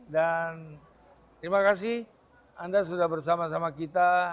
dan terima kasih anda sudah bersama sama kita